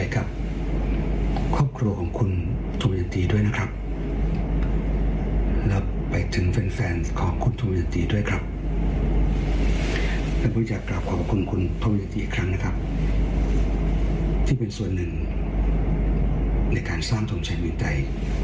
ขอบคุณคุณธมยันตีอีกครั้งนะครับที่เป็นส่วนหนึ่งในการสร้างธมชัยเมืองใจ